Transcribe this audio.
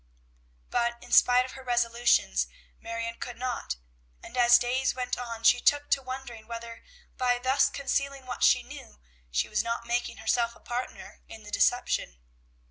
_" But, in spite of her resolutions, Marion could not; and as days went on she took to wondering whether by thus concealing what she knew, she was not making herself a partner in the deception.